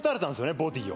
ボディを。